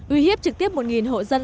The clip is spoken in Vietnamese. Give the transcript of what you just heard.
uy hiếp trực tiếp một hộ dân